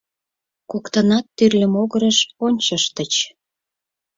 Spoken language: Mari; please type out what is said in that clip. Коктынат тӱрлӧ могырыш ончыштыч.